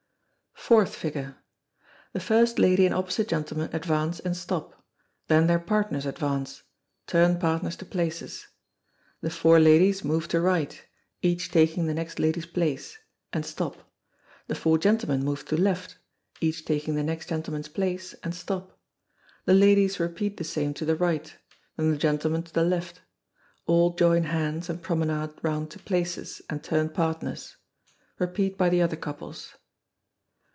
Fourth Figure. The first lady and opposite gentleman advance and stop; then their partners advance; turn partners to places. The four ladies move to right, each taking the next lady's place, and stop the four gentlemen move to left, each taking the next gentleman's place, and stop the ladies repeat the same to the right then the gentlemen to the left. All join hands and promenade round to places, and turn partners. Repeated by the other couples.